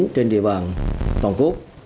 trên địa bàn toàn quốc